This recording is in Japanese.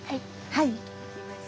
はい。